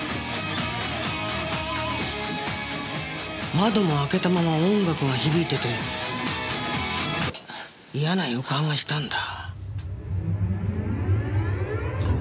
窓も開けたまま音楽が響いてて嫌な予感がしたんだ。